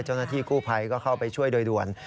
เจ้าหน้าที่กู้ภัยก็เข้าไปช่วยโดยด่วน